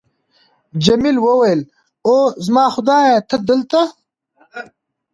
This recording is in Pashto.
جميلې وويل:: اوه، زما خدایه، ته دلته!